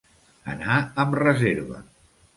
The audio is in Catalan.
Anar amb reserva.